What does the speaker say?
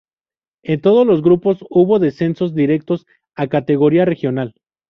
En todos los grupos hubo descensos directos a categoría regional.